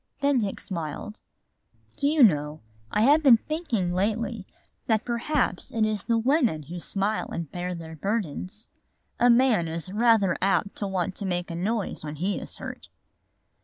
Then Dick smiled. "Do you know, I have been thinking lately that perhaps it is the women who smile and bear their burdens. A man is rather apt to want to make a noise when he is hurt."